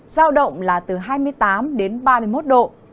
giao động là từ hai mươi tám đến ba mươi một độ